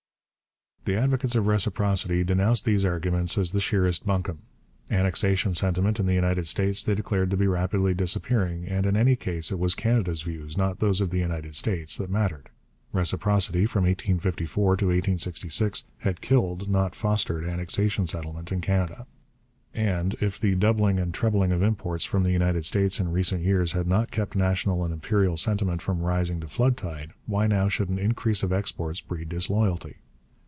The advocates of reciprocity denounced these arguments as the sheerest buncombe. Annexation sentiment in the United States they declared to be rapidly disappearing, and in any case it was Canada's views, not those of the United States, that mattered. Reciprocity from 1854 to 1866 had killed, not fostered, annexation sentiment in Canada. And, if the doubling and trebling of imports from the United States in recent years had not kept national and imperial sentiment from rising to flood tide, why now should an increase of exports breed disloyalty?